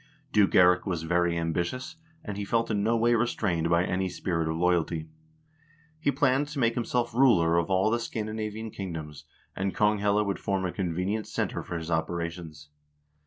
Duke Eirik was very ambitious, and he felt in no way restrained by any spirit of loyalty. He planned to make himself ruler of all the Scandi navian kingdoms, and Konghelle would form a convenient center for his operations.